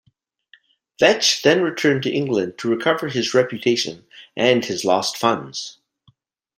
Vetch then returned to England to recover his reputation and his lost funds.